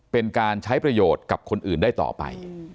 เป็นการใช้ประโยชน์กับคนอื่นได้ต่อไป